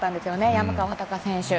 山川穂高選手。